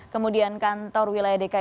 kemudian kantor wilayah dki jakarta